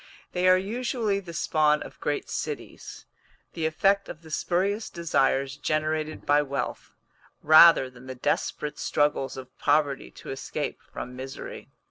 They are usually the spawn of great cities the effect of the spurious desires generated by wealth, rather than the desperate struggles of poverty to escape from misery.